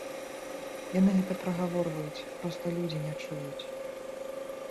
Яны гэта прагаворваюць, проста людзі не чуюць.